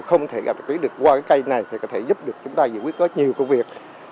không thể gặp được qua cái cây này có thể giúp được chúng ta giữ quyết có nhiều công việc